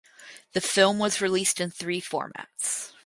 The film was released in three formats.